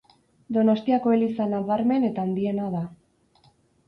Donostiako eliza nabarmen eta handiena da.